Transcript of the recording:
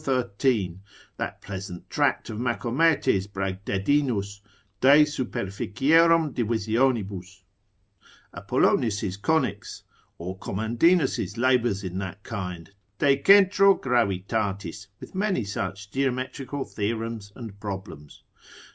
13, that pleasant tract of Machometes Bragdedinus de superficierum divisionibus, Apollonius's Conics, or Commandinus's labours in that kind, de centro gravitatis, with many such geometrical theorems and problems?